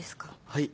はい。